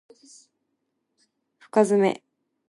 深爪